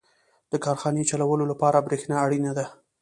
• د کارخانې چلولو لپاره برېښنا اړینه ده.